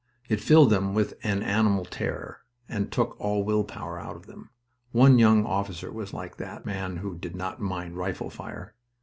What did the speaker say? It filled them with an animal terror and took all will power out of them. One young officer was like that man who "did not mind rifle fire."